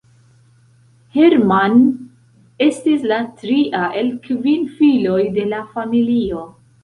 Hermann estis la tria el kvin filoj de la familio.